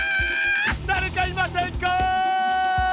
だれかいませんか！